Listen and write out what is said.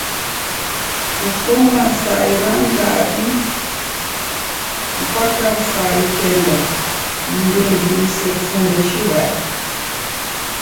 Kufuma saa irandadu mpaka saa ikenda mndungi usefume shighadi.